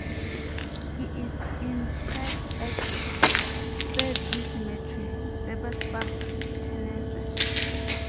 He is interred at Fairview Cemetery, Dyersburg, Tennessee.